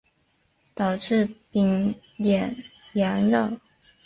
导致丙寅洋扰。